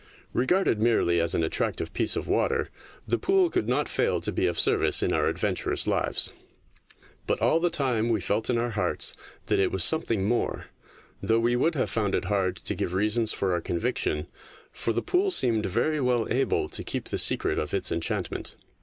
Regarded merely as an attractive piece of water, the pool could not fail to be of service in our adventurous lives. But all the time we felt in our hearts that it was something more, though we would have found it hard to give reasons for our conviction, for the pool seemed very well able to keep the secret of its enchantment.